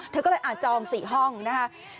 เธอก็เลยจอง๔ห้องนะคะ